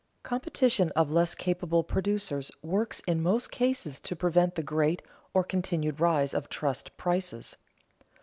_Competition of less capable producers works in most cases to prevent the great or continued rise of trust prices.